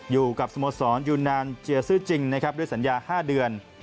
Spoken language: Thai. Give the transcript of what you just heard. อยู่กับสมสรรค์ยูนานเจียซื้อจริงนะครับด้วยสัญญา๕เดือน